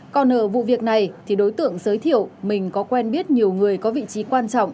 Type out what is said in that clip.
còn ở vụ việc này thì đối tượng giới thiệu mình có quen biết nhiều người có vị trí quan trọng